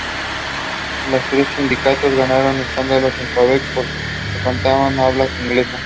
Los tres sindicatos ganaron escaños en Quebec, todos en condados de habla inglesa.